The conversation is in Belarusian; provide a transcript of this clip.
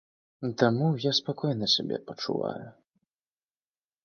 Таму я спакойна сябе пачуваю.